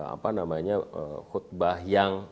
apa namanya khutbah yang